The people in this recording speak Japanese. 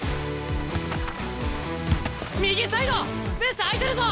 右サイドスペース空いてるぞ！